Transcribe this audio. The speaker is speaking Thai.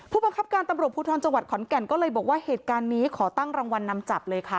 ผู้บังคับการตำรวจภูทรจังหวัดขอนแก่นก็เลยบอกว่าเหตุการณ์นี้ขอตั้งรางวัลนำจับเลยค่ะ